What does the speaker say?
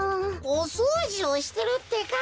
おそうじをしてるってか。